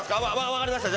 分かりました